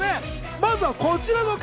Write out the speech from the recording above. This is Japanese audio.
まずはこちらの方。